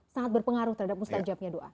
sangat berpengaruh terhadap mustajabnya doa